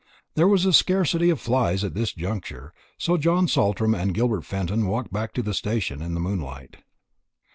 There was a scarcity of flys at this juncture, so John Saltram and Gilbert Fenton walked back to the station in the moonlight.